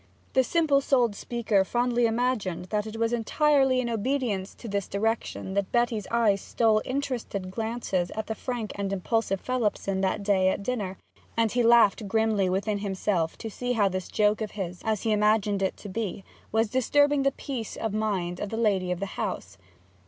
The simple souled speaker fondly imagined that it as entirely in obedience to this direction that Betty's eyes stole interested glances at the frank and impulsive Phelipson that day at dinner, and he laughed grimly within himself to see how this joke of his, as he imagined it to be, was disturbing the peace of mind of the lady of the house.